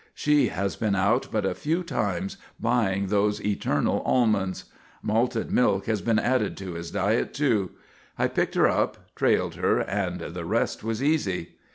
She has been out but a few times, buying those eternal almonds. Malted milk has been added to his diet, too. I picked her up, trailed her, and the rest was easy.